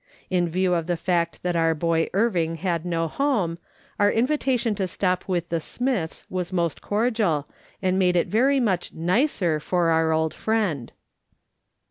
In view of the fact that our boy Irving had no home, our invitation to stop with the Smiths was most cordial, and made it very much " nicer" for our old friend.